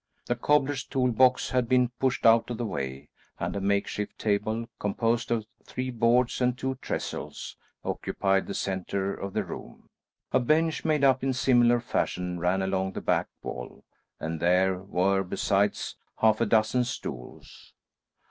The cobbler's tool box had been pushed out of the way, and a makeshift table, composed of three boards and two trestles, occupied the centre of the room. A bench made up in similar fashion ran along the back wall, and there were besides, half a dozen stools.